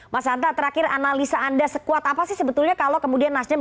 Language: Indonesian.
mas hanta terakhir analisa anda sekuat apa sih sebetulnya kalau kemudian nasdem